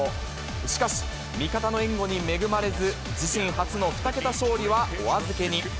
しかし、味方の援護に恵まれず、自身初の２桁勝利はお預けに。